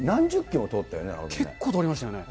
結構通りますよね。